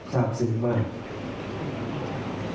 ชาวซึ้งมาก